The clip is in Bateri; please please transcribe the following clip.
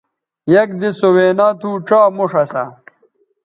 یک دِس سو وینا تھو ڇا موݜ اسا